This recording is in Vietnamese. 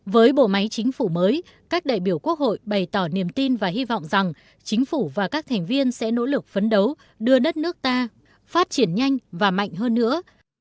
với bộ máy chính phủ mới các đại biểu quốc hội bày tỏ niềm tin và hy vọng rằng chính phủ và các thành viên sẽ nỗ lực phấn đấu đưa đất nước ta phát triển nhanh và mạnh hơn nữa